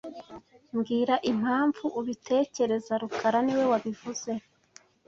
Mbwira impamvu ubitekereza rukara niwe wabivuze